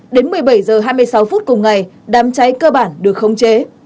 đến một mươi bảy h hai mươi sáu phút cùng ngày đám cháy cơ bản được khống chế